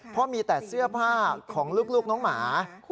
เพราะมีแต่เสื้อผ้าของลูกน้องหมา